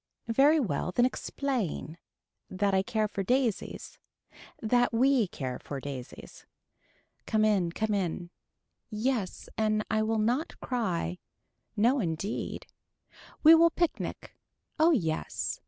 Very well then explain. That I care for daisies. That we care for daisies. Come in come in. Yes and I will not cry. No indeed. We will picnic. Oh yes.